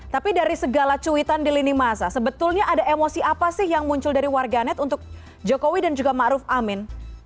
tapi dari segala cuitan di lini masa sebetulnya ada emosi apa sih yang muncul dari warga net untuk jokowi dan juga ma'ruf amin